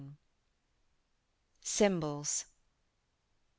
SYMBOLS.